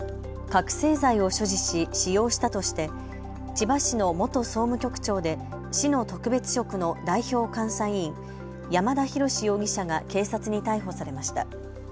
覚醒剤を所持し使用したとして千葉市の元総務局長で市の特別職の代表監査委員、山田啓志容疑者が警察に逮捕されました。